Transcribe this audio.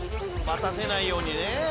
待たせないようにね。